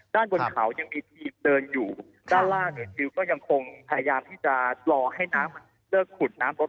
ด้านบนเขายังมีทีมเดินอยู่ด้านล่างเนี่ยซิลก็ยังคงพยายามที่จะรอให้น้ำมันเลิกขุดน้ำรถ